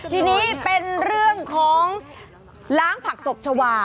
ทีนี้เป็นเรื่องของล้างผักตบชาวา